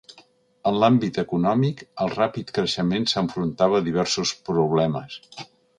En l'àmbit econòmic, el ràpid creixement s'enfrontava a diversos problemes.